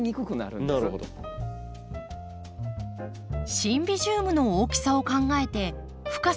シンビジウムの大きさを考えて深さ